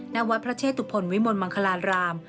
ณวัดพระเชตุพลวิมลมังคลาราม